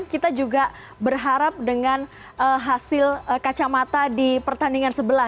kita juga berharap dengan hasil kacamata di pertandingan sebelah